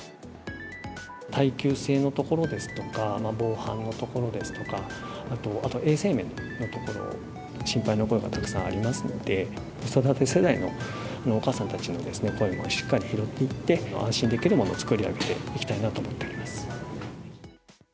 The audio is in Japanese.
耐久性のところですとか、防犯のところですとか、あと衛生面のところ、心配のお声がたくさんありますので、子育て世代のお母さんたちの声もしっかり拾っていって、安心できるものを作り上げていきたいなと思ってます。